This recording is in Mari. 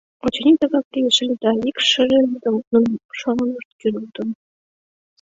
Очыни, тыгак лиеш ыле, да ик шыже йӱдым нунын шонымышт кӱрылтын.